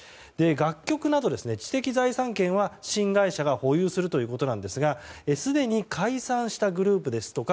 楽曲など知的財産権は新会社が保有するということですがすでに解散したグループですとか